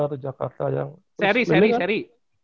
atau jakarta yang seri seri seri